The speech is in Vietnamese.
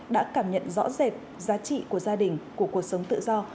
đã cảm nhận rõ rệt giá trị của gia đình của cuộc sống tự do